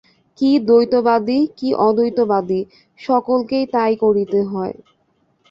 কি দ্বৈতবাদী, কি অদ্বৈতবাদী, সকলকেই তাই করিতে হয়।